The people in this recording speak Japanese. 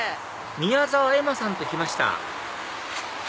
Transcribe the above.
宮澤エマさんと来ました